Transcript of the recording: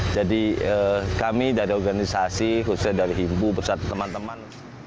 jadi kami dari organisasi khususnya dari himpuh bersama teman teman